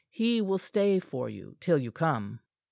He will stay for you till you come."